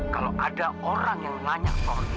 kalau ada orang yang nanya pohon